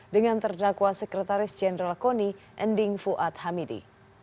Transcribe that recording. dengan terdakwa sekretaris jenderal koni ending fuad hamidi